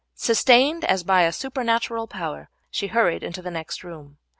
Sustained as by a supernatural power she hurried into the next room.